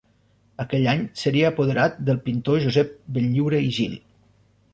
Aquell any seria apoderat del pintor Josep Benlliure i Gil.